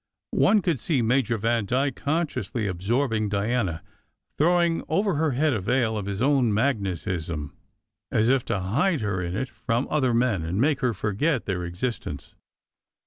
One could see Major Vandyke consciously absorbing Diana, throwing over her head a 70 SECRET HISTORY veil of his own magnetism, as if to hide her in it from other men, and make her forget their existence.